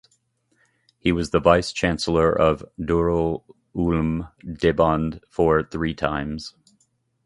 He was the Vice Chancellor of Darul Uloom Deoband for three times.